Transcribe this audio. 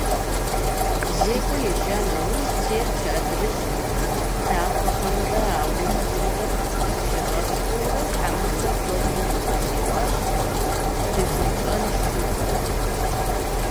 ЗекӀуэ ежьа нэужь, Тэрч адрыщӀ тафэхэмрэ аузхэмрэ зыщигъэпщкӀуурэ, Хьэмырзэ куэдрэ зэхэзеуащ, къихъунщӀэн лъыхъуэу.